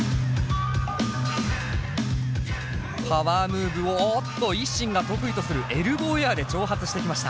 パワームーブをおっとＩＳＳＩＮが得意とするエルボーエアで挑発してきました。